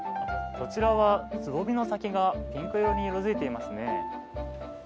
こちらはつぼみの先がピンク色に色づいていますね。